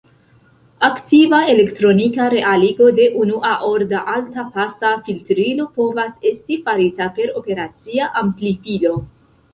Aktiva elektronika realigo de unua-orda alta-pasa filtrilo povas esti farita per operacia amplifilo.